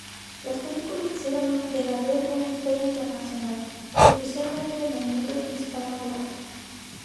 Las películas hicieron de Gardel una estrella internacional, especialmente en el mundo hispanohablante.